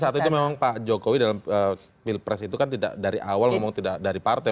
tapi yang saat itu memang pak jokowi dalam pilpres itu kan tidak dari awal memang tidak dari partai